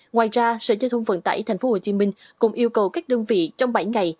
ngoài ra sở giao thông vận tải tp hcm cũng yêu cầu các đơn vị trong bảy ngày